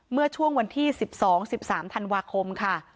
เมื่อช่วงวันที่๑๒๑๓ธันวาคมค่ะ